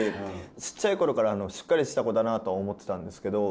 ちっちゃい頃からしっかりした子だなとは思ってたんですけど。